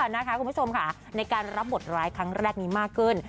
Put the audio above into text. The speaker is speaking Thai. นะคะคุณผู้ชมค่ะในการรับบทร้ายครั้งแรกนี้มากขึ้น